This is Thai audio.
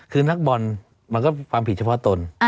คือนักบอลมันก็ความผิดเฉพาะตน